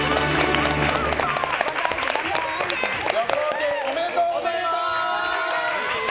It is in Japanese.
旅行券おめでとうございます！